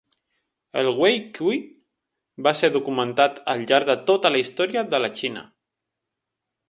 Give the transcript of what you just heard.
El WeiQi va ser documentat al llarg de tota la història de la Xina.